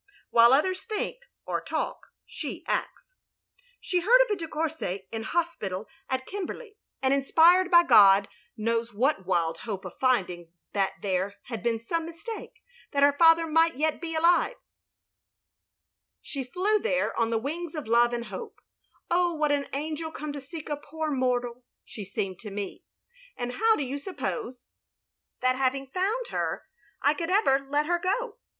While others think {or talk) — she acts. *'She heard of a de Courset in hospital at Kim OP GROSVENOR SQUARE 321 berley, and inspired by God knows what wild hope of finding that there had been some mistake — that her father might be yet alive — she flew there on the wings of love and hope — oh what an angel come to seek a poor mortal^ she seemed to me, — and how do you suppose, — that having found her, I could ever let her got